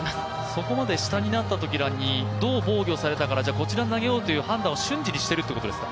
そこまで下になったときに、どう防御されたかこちらに投げようという判断を瞬時にしてるということですか。